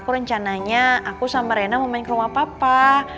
aku rencananya aku sama rena mau main ke rumah papa